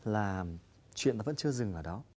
là chuyện vẫn chưa dừng ở đó